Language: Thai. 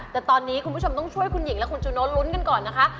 แต่ตอนนี้คุณผู้ชมต้องช่วยคุณหญิงและคุณจูโน้ลุ้นกันก่อนนะคะ